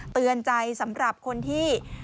เตือนใจสำหรับคนที่